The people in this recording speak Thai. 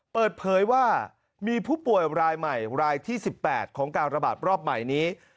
เปิดเผยว่ามีผู้ป่วยรายใหม่รายที่๑๘ของการระบาดรอบใหม่นี้